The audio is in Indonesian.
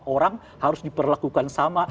orang harus diperlakukan sama